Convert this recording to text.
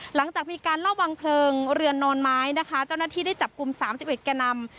หลังจากมีการรอบวางเคริงเรือนนอนไม้นะคะเจ้าหน้าที่ได้จับกลุ่มสามสิบเอ็ดแกนนำ